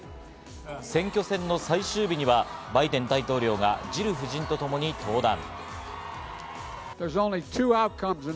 選挙戦の最終日にはバイデン大統領がジル夫人とともに登壇。